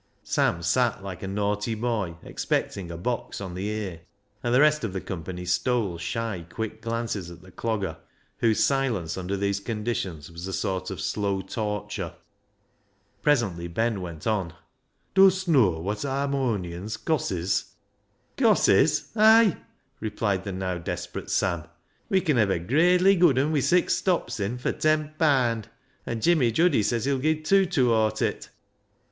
Sam sat like a naughty boy expecting a box on the ear. And the rest of the company stole shy, quick glances at the Clogger, whose silence under these conditions was a sort of slow torture. Presently Ben went on — "Dust know what harmonious cosses?" (costs). " Cosses ? Ay !" replied the now desperate Sam. " We can hev a gradely good un wi' six stops in fur ten paand, an' Jimmy Juddy saj s he'll gi' tew towart it."